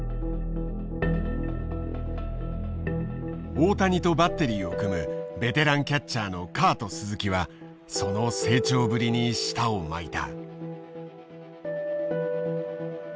大谷とバッテリーを組むベテランキャッチャーのカート・スズキはその成長ぶりに舌を巻いた。